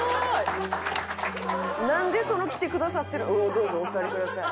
どうぞお座りください。